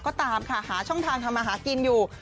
ก็ตามค่ะหาช่องทางทำมาหากินอยู่